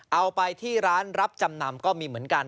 เอาไปที่ร้านรับจำนำก็มีเหมือนกัน